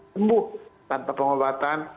sembuh tanpa pengobatan